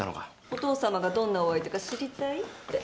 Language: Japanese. お父さまがどんなお相手か知りたいって。